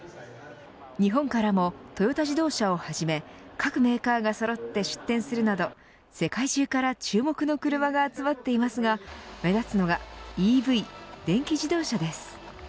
日本からもトヨタ自動車をはじめ各メーカーがそろって出展するなど世界中から注目の車が集まっていますが目立つのがＥＶ電気自動車です。